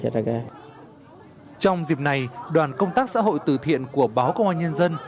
trong dịp này đoàn công tác xã hội từ thiện của báo công an nhân dân